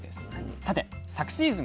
さて昨シーズン